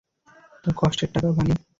তোর কষ্টের টাকা, বানি।